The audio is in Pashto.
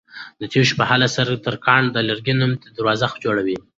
د تېشو په وهلو سره ترکاڼ د لرګي نوې دروازه جوړوي.